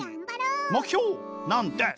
目標なんです！